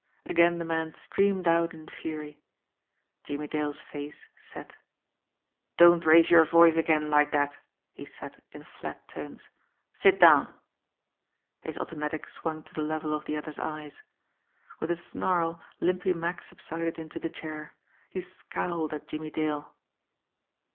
Again the man screamed out in fury. Jimmie Dale's face set. "Don't raise your voice again like that," he said in flat tones. "Sit down!" His automatic swung to the level of the other's eyes. With a snarl, Limpy Mack subsided into the chair. He scowled at Jimmie Dale.